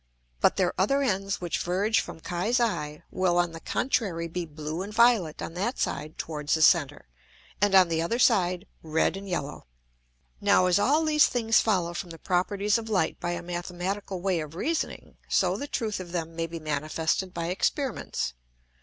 But their other ends which verge from [Greek: Ux], will on the contrary be blue and violet on that side towards the center, and on the other side red and yellow. Now as all these things follow from the properties of Light by a mathematical way of reasoning, so the truth of them may be manifested by Experiments.